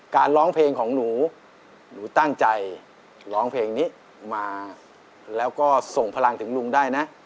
ร้องเพลงของหนูหนูตั้งใจร้องเพลงนี้มาแล้วก็ส่งพลังถึงลุงได้นะ